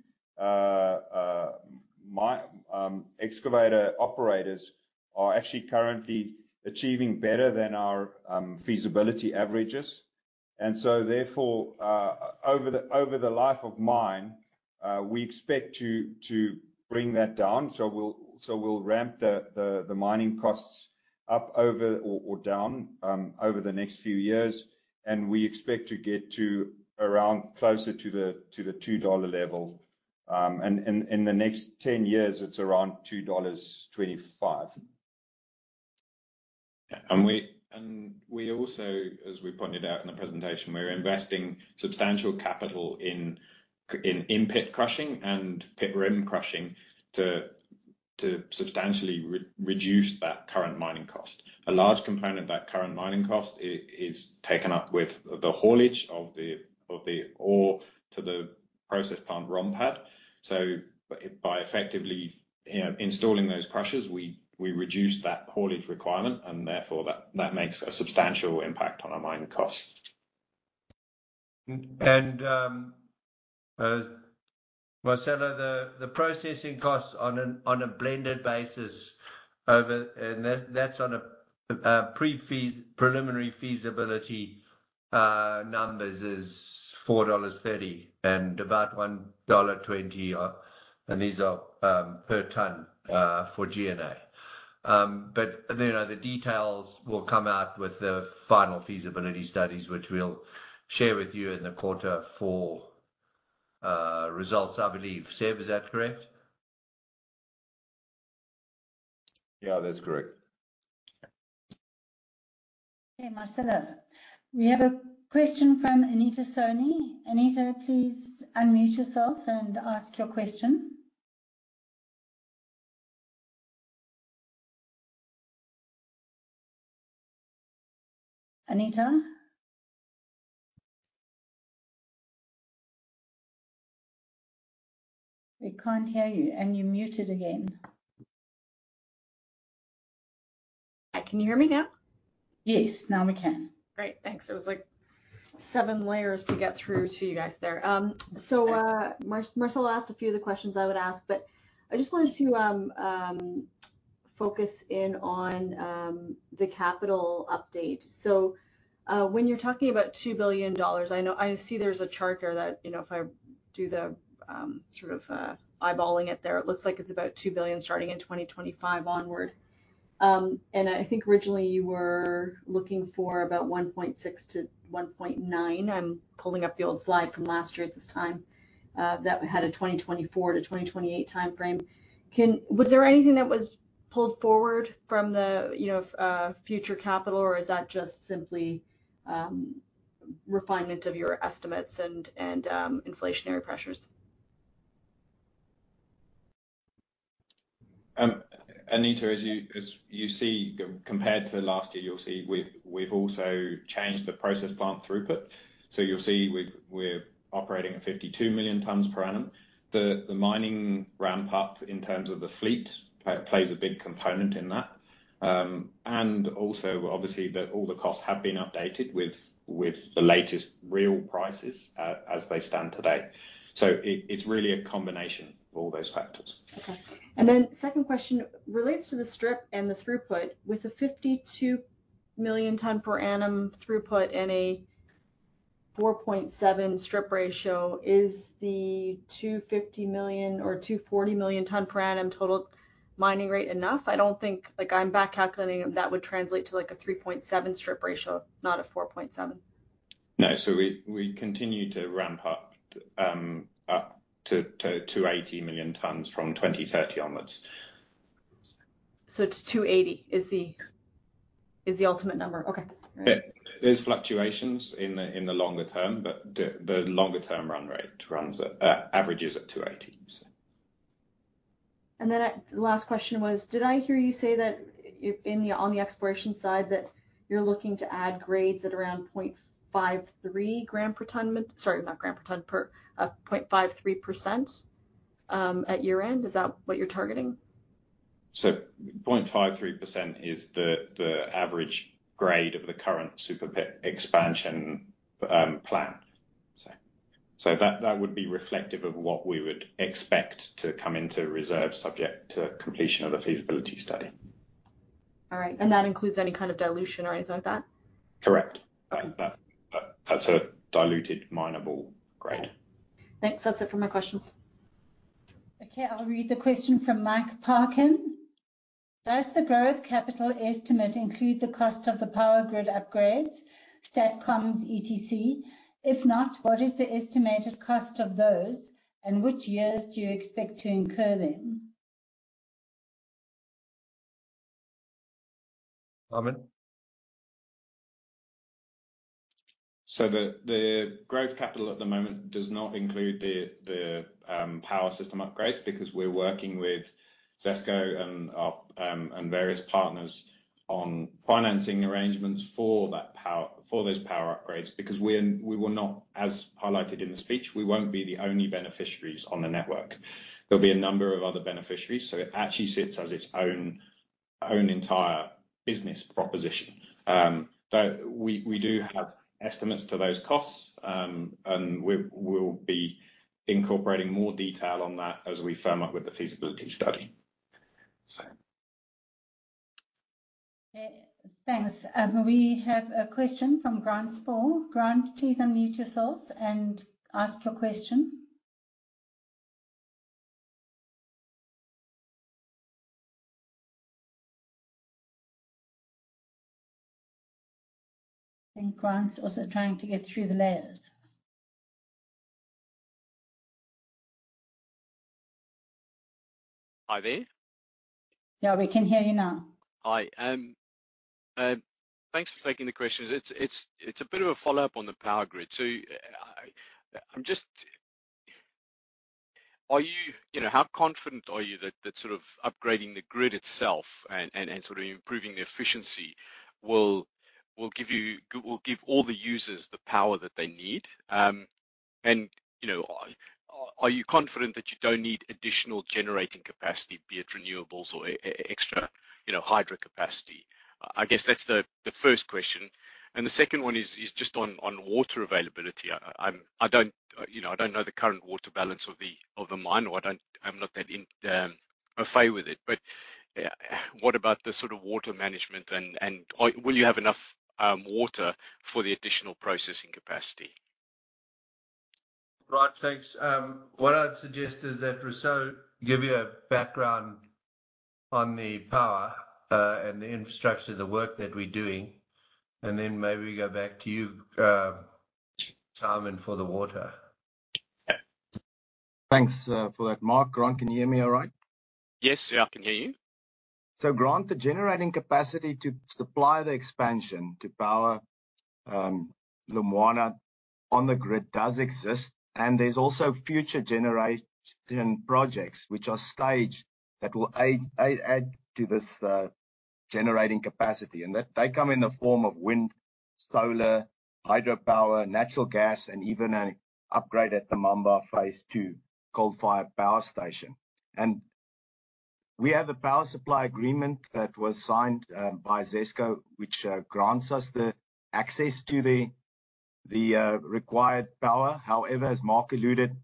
S2: excavator operators are actually currently achieving better than our feasibility averages. And so, therefore, over the life of mine, we expect to bring that down. We'll ramp the mining costs up or down over the next few years, and we expect to get to around closer to the $2 level. In the next 10 years, it's around $2.25.
S3: Yeah, and we also, as we pointed out in the presentation, we're investing substantial capital in in-pit crushing and pit rim crushing to substantially reduce that current mining cost. A large component of that current mining cost is taken up with the haulage of the ore to the process plant ROM pad. So by effectively, you know, installing those crushers, we reduce that haulage requirement, and therefore, that makes a substantial impact on our mining cost.
S1: And, Marcelo, the processing costs on a blended basis over and that, that's on a preliminary feasibility numbers, is $4.30 and about $1.20, and these are per ton for GNA. But, you know, the details will come out with the final feasibility studies, which we'll share with you in the quarter four results, I believe. Seb, is that correct?
S2: Yeah, that's correct.
S4: Okay, Marcelo, we have a question from Anita Soni. Anita, please unmute yourself and ask your question. Anita? We can't hear you, and you're muted again....
S5: Can you hear me now?
S4: Yes, now we can.
S5: Great, thanks. It was like seven layers to get through to you guys there. So, Marcel asked a few of the questions I would ask, but I just wanted to focus in on the capital update. So, when you're talking about $2 billion, I know, I see there's a chart there that, you know, if I do the sort of eyeballing it there, it looks like it's about $2 billion starting in 2025 onward. I think originally you were looking for about $1.6 billion-$1.9 billion. I'm pulling up the old slide from last year at this time that had a 2024-2028 timeframe. Was there anything that was pulled forward from the, you know, future capital, or is that just simply refinement of your estimates and inflationary pressures?
S3: Anita, as you see, compared to last year, you'll see we've also changed the process plant throughput. So you'll see we're operating at 52 million tonnes per annum. The mining ramp up in terms of the fleet plays a big component in that. And also, obviously, all the costs have been updated with the latest real prices as they stand today. So it's really a combination of all those factors.
S5: Okay. And then second question relates to the strip and the throughput. With a 52 million tonne per annum throughput and a four point seven strip ratio, is the 250million or 240 million tonne per annum total mining rate enough? I don't think. Like, I'm back calculating, that would translate to, like, a three point seven strip ratio, not a four point seven.
S3: No. So we continue to ramp up to 280 million tonnes from 2030 onwards.
S5: So it's two eighty, is the ultimate number? Okay, great.
S3: There's fluctuations in the longer term, but the longer term run rate runs at averages at 280.
S5: And then the last question was, did I hear you say that if in the, on the exploration side, that you're looking to add grades at around 0.53 gram per tonne, sorry, not gram per tonne, per 0.53%, at year-end? Is that what you're targeting?
S3: So 0.53% is the average grade of the current Super Pit expansion plan. So that would be reflective of what we would expect to come into reserve, subject to completion of the feasibility study.
S5: All right, and that includes any kind of dilution or anything like that?
S3: Correct. That, that's a diluted minable grade.
S5: Thanks. That's it for my questions.
S4: Okay, I'll read the question from Mike Parkin: Does the growth capital estimate include the cost of the power grid upgrades, STATCOMs, etc.? If not, what is the estimated cost of those, and which years do you expect to incur them?
S1: Simon?
S3: So the growth capital at the moment does not include the power system upgrades because we're working with ZESCO and our and various partners on financing arrangements for that power, for those power upgrades. Because we were not, as highlighted in the speech, we won't be the only beneficiaries on the network. There'll be a number of other beneficiaries, so it actually sits as its own entire business proposition. But we do have estimates to those costs, and we'll be incorporating more detail on that as we firm up with the feasibility study, so...
S4: Okay, thanks. We have a question from Grant Sporre. Grant, please unmute yourself and ask your question. I think Grant's also trying to get through the layers.
S6: Hi there?
S4: Yeah, we can hear you now.
S6: Hi, thanks for taking the questions. It's a bit of a follow-up on the power grid. So you know, how confident are you that sort of upgrading the grid itself and sort of improving the efficiency will give all the users the power that they need? And you know, are you confident that you don't need additional generating capacity, be it renewables or extra, you know, hydro capacity? I guess that's the first question. And the second one is just on water availability. I don't know the current water balance of the mine, or I'm not that au fait with it. But, what about the sort of water management and, or will you have enough water for the additional processing capacity?
S1: Right. Thanks. What I'd suggest is that Rousseau give you a background on the power, and the infrastructure, the work that we're doing, and then maybe go back to you, Simon, for the water.
S3: Thanks, for that, Mark. Grant, can you hear me all right?
S6: Yes. Yeah, I can hear you.
S3: So, Grant, the generating capacity to supply the expansion to power Lumwana on the grid does exist, and there's also future generation projects which are staged that will add to this generating capacity, and that they come in the form of wind, solar, hydropower, natural gas, and even an upgrade at the Maamba Phase II coal-fired power station. And we have a power supply agreement that was signed by ZESCO, which grants us the access to the required power. However, as Mark alluded,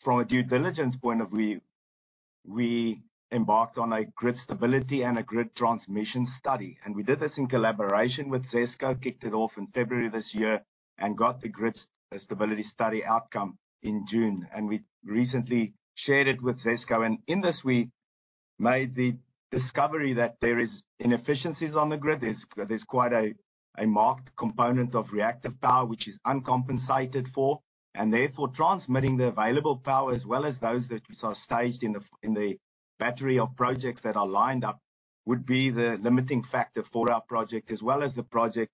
S3: from a due diligence point of view, we embarked on a grid stability and a grid transmission study, and we did this in collaboration with ZESCO, kicked it off in February this year and got the grid stability study outcome in June, and we recently shared it with ZESCO. And in this, we made the discovery that there is inefficiencies on the grid. There's quite a marked component of reactive power, which is uncompensated for, and therefore transmitting the available power, as well as those that are staged in the battery of projects that are lined up, would be the limiting factor for our project, as well as the project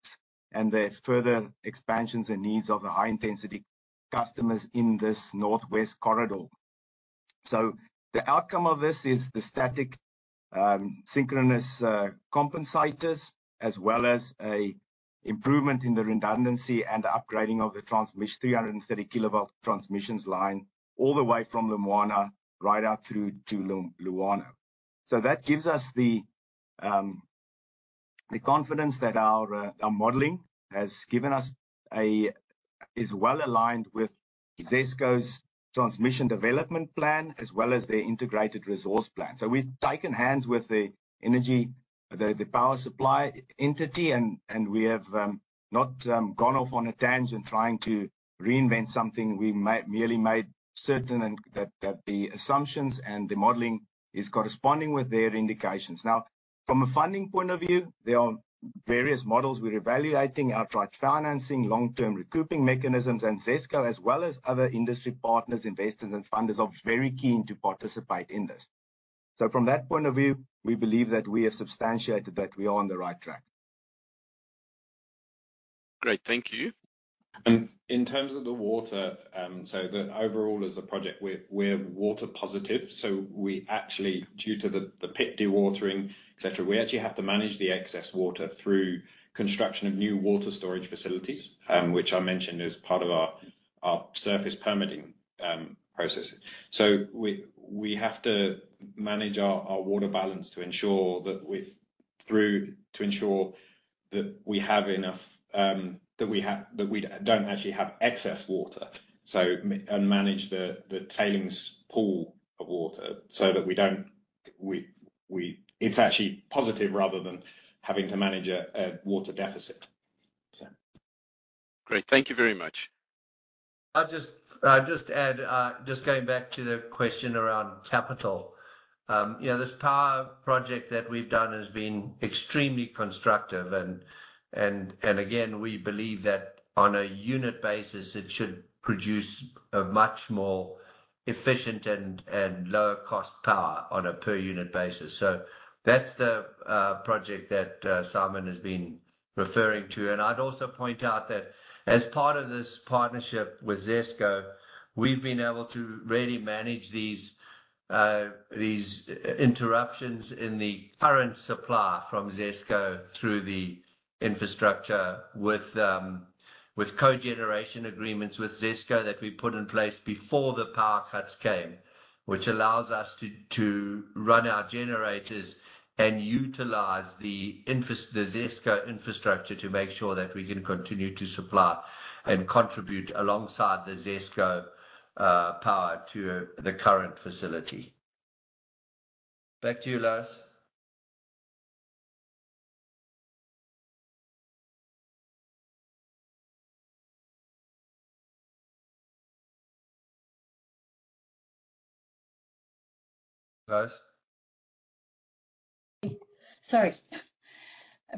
S3: and the further expansions and needs of the high-intensity customers in this northwest corridor. So the outcome of this is the static synchronous compensators, as well as an improvement in the redundancy and the upgrading of the transmission 330 Kv transmission line all the way from Lumwana right out through to Luano. So that gives us the confidence that our modeling has given us is well aligned with ZESCO's Transmission Development Plan, as well as their Integrated Resource Plan. So we've taken hands with the energy, the power supply entity, and we have not gone off on a tangent trying to reinvent something. We merely made certain that the assumptions and the modeling is corresponding with their indications. Now, from a funding point of view, there are various models we're evaluating: outright financing, long-term recouping mechanisms. And ZESCO, as well as other industry partners, investors, and funders, are very keen to participate in this. So from that point of view, we believe that we have substantiated that we are on the right track.
S6: Great. Thank you.
S3: And in terms of the water, so the overall as a project, we're water positive, so we actually due to the pit dewatering, et cetera, we actually have to manage the excess water through construction of new water storage facilities, which I mentioned is part of our surface permitting process. So we have to manage our water balance to ensure that we have enough, that we don't actually have excess water, so and manage the tailings pool of water so that we don't. It's actually positive rather than having to manage a water deficit, so.
S1: Great. Thank you very much. I'll just add, just going back to the question around capital. You know, this power project that we've done has been extremely constructive and again, we believe that on a unit basis, it should produce a much more efficient and lower cost power on a per unit basis. So that's the project that Simon has been referring to. And I'd also point out that as part of this partnership with ZESCO, we've been able to really manage these interruptions in the current supply from ZESCO through the infrastructure with cogeneration agreements with ZESCO that we put in place before the power cuts came. Which allows us to run our generators and utilize the ZESCO infrastructure to make sure that we can continue to supply and contribute alongside the ZESCO power to the current facility. Back to you, Lois. Lois?
S4: Sorry.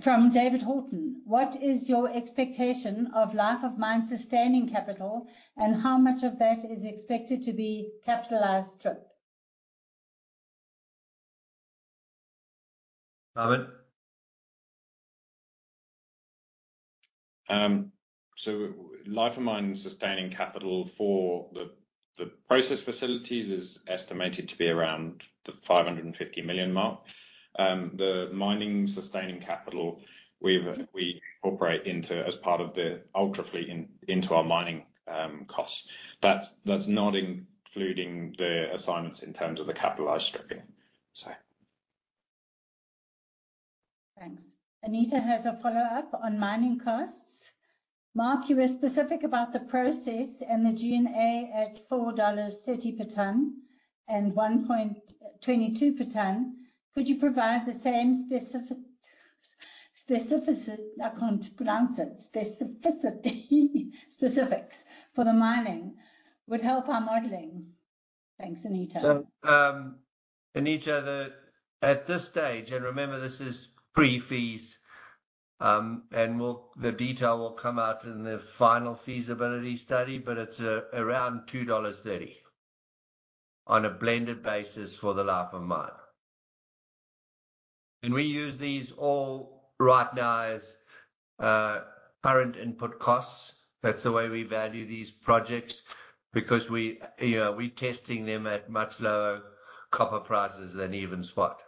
S4: From David Haughton: What is your expectation of life of mine sustaining capital, and how much of that is expected to be capitalized strip?
S1: Simon?
S3: So life of mine sustaining capital for the process facilities is estimated to be around the $550 million mark. The mining-sustaining capital, we've we incorporate into as part of the ultra fleet in, into our mining costs. That's not including the assignments in terms of the capitalized stripping, so.
S4: Thanks. Anita has a follow-up on mining costs. "Mark, you were specific about the process and the G&A at $4.30 per ton and $1.22 per ton. Could you provide the same specifics for the mining? Would help our modeling." Thanks, Anita.
S1: Anita, at this stage, and remember, this is pre-feas, and we'll, the detail will come out in the final feasibility study, but it's around $2.30 on a blended basis for the life of mine, and we use these all right now as current input costs. That's the way we value these projects because we, you know, we testing them at much lower copper prices than even spot.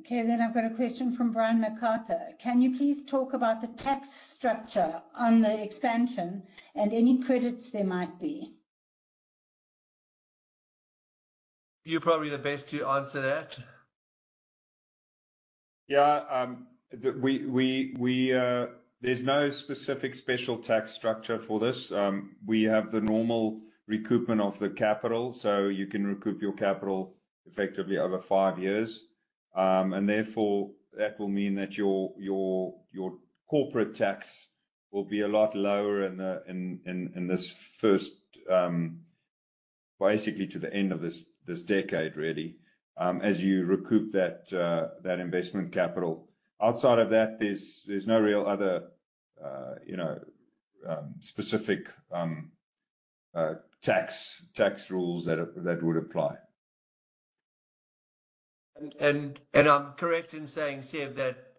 S4: Okay, then I've got a question from Brian MacArthur. Can you please talk about the tax structure on the expansion and any credits there might be?
S1: You're probably the best to answer that.
S2: Yeah, there's no specific special tax structure for this. We have the normal recoupment of the capital, so you can recoup your capital effectively over five years, and therefore, that will mean that your corporate tax will be a lot lower in this first basically to the end of this decade, really, as you recoup that investment capital. Outside of that, there's no real other, you know, specific tax rules that would apply.
S1: I'm correct in saying, Seb, that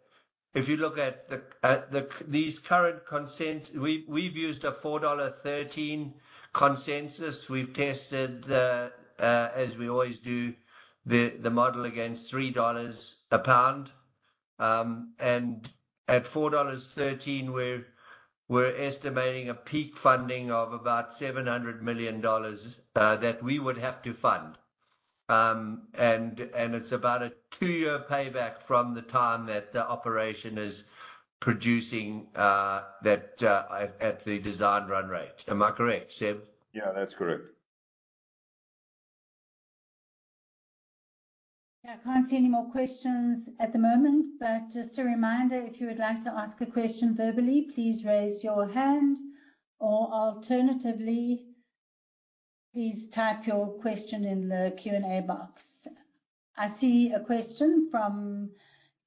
S1: if you look at the these current consensus, we've used a $4.13 consensus. We've tested, as we always do, the model against $3 a pound. And at $4.13, we're estimating a peak funding of about $700 million that we would have to fund. And it's about a two-year payback from the time that the operation is producing at the design run rate. Am I correct, Seb?
S2: Yeah, that's correct.
S4: Yeah, I can't see any more questions at the moment, but just a reminder, if you would like to ask a question verbally, please raise your hand or alternatively, please type your question in the Q&A box. I see a question from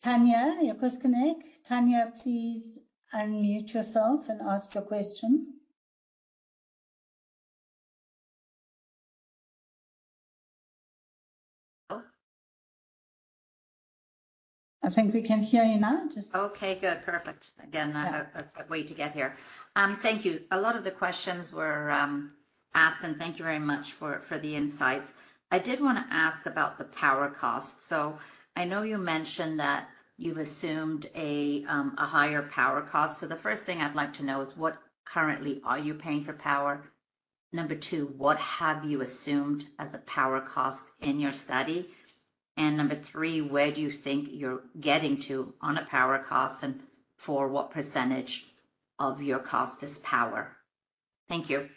S4: Tanya Jakusconek. Tanya, please unmute yourself and ask your question.
S7: Hello?
S4: I think we can hear you now. Just-
S7: Okay, good. Perfect. Again, a way to get here. Thank you. A lot of the questions were asked, and thank you very much for the insights. I did wanna ask about the power cost. So I know you mentioned that you've assumed a higher power cost. So the first thing I'd like to know is what currently are you paying for power? Number two, what have you assumed as a power cost in your study? And number three, where do you think you're getting to on a power cost, and for what percentage of your cost is power? Thank you.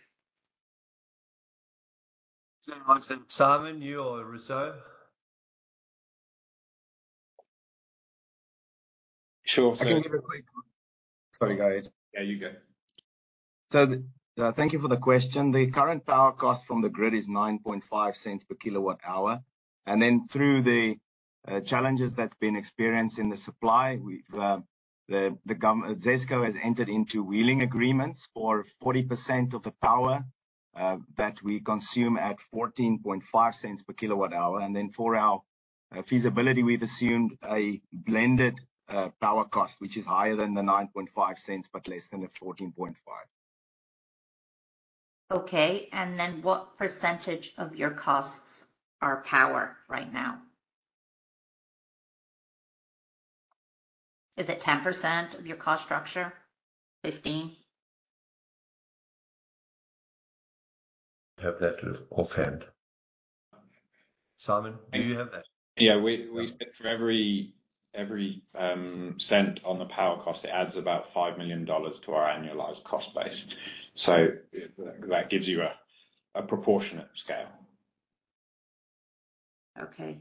S1: Simon, you or Rousseau?
S8: Sure, so-
S1: I can give a quick...
S8: Sorry, go ahead.
S3: Yeah, you go.
S8: Thank you for the question. The current power cost from the grid is $0.095 per kilowatt hour, and then through the challenges that's been experienced in the supply, ZESCO has entered into wheeling agreements for 40% of the power that we consume at $0.145 per kilowatt hour. For our feasibility, we've assumed a blended power cost, which is higher than the $0.095, but less than the $0.145.
S7: Okay, and then what percentage of your costs are power right now? Is it 10% of your cost structure? 15%?
S1: Have that offhand. Simon, do you have that?
S3: Yeah, we spent for every cent on the power cost, it adds about $5 million to our annualized cost base. So that gives you a proportionate scale.
S7: Okay.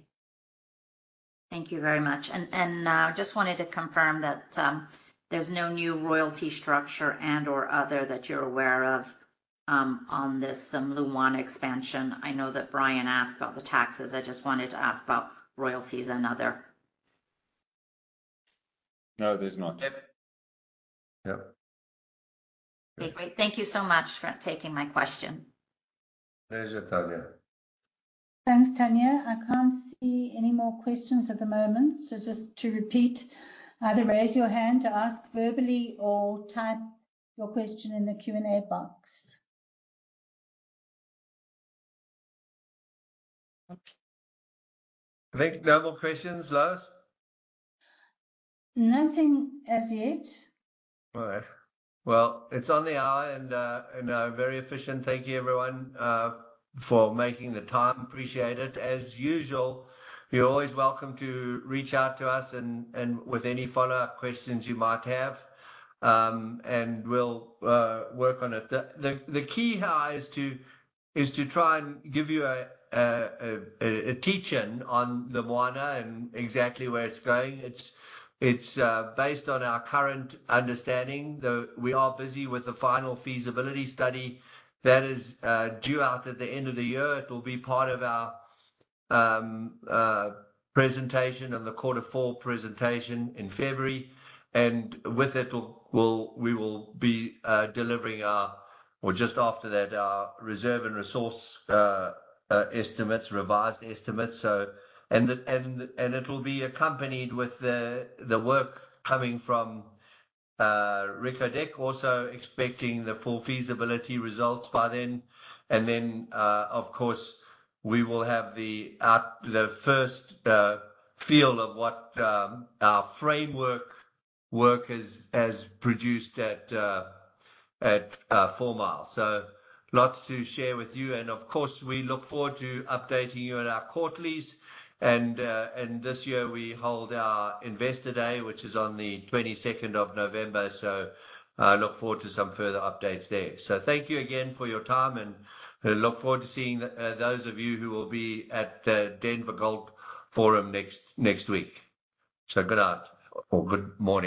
S7: Thank you very much. And just wanted to confirm that there's no new royalty structure and/or other that you're aware of on this Lumwana expansion. I know that Brian asked about the taxes. I just wanted to ask about royalties and other.
S1: No, there's not.
S3: Yep.
S1: Yep.
S7: Okay, great. Thank you so much for taking my question.
S1: Pleasure, Tanya.
S4: Thanks, Tanya. I can't see any more questions at the moment, so just to repeat, either raise your hand to ask verbally or type your question in the Q&A box.
S1: I think no more questions, Lois?
S4: Nothing as yet.
S1: All right. Well, it's on the hour and very efficient. Thank you, everyone, for making the time. Appreciate it. As usual, you're always welcome to reach out to us and with any follow-up questions you might have, and we'll work on it. The key here is to try and give you a teach-in on the Lumwana and exactly where it's going. It's based on our current understanding, though, we are busy with the final feasibility study that is due out at the end of the year. It will be part of our presentation and the quarter four presentation in February. And with it, we'll, we will be delivering our. Well, just after that, our reserve and resource estimates, revised estimates. It will be accompanied with the work coming from Reko Diq, also expecting the full feasibility results by then. Then, of course, we will have the output, the first feel of what our framework work has produced at Fourmile. Lots to share with you. Of course, we look forward to updating you on our quarterlies. This year we hold our Investor Day, which is on the 22nd of November, so look forward to some further updates there. Thank you again for your time, and we look forward to seeing those of you who will be at the Denver Gold Forum next week. Good night or good morning.